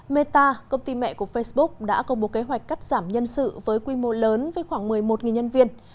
meta công ty mẹ của facebook đã công bố kế hoạch cắt giảm nhân sự với quy mô lớn với khoảng một mươi một nhân viên